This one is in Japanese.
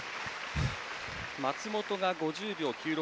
松元が５０秒９６。